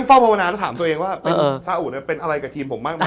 พอพระมณานต้องถามตัวเองว่าซาอุโนะเป็นอะไรกับทีมผมมากมาย